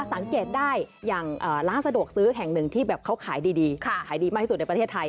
สังเกตได้อย่างร้านสะดวกซื้อแห่งหนึ่งที่แบบเขาขายดีขายดีมากที่สุดในประเทศไทย